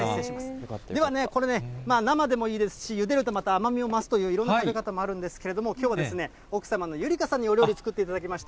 ではね、これ、生でもいいですし、ゆでるとまた甘みを増すといういろんな食べ方もあるんですけれども、きょうは奥様の由莉香さんにお料理、作っていただきました。